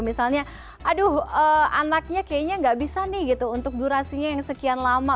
misalnya aduh anaknya kayaknya nggak bisa nih gitu untuk durasinya yang sekian lama